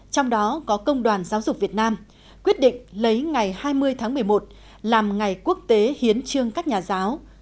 trong đó có công đoàn giáo dục việt nam quyết định lấy ngày hai mươi tháng một mươi một làm ngày quốc tế hiến trương các nhà giáo